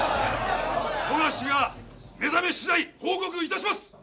富樫が目覚めしだい報告いたします。